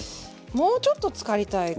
もうちょっとつかりたいかな。